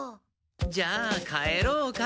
じゃあ帰ろうか！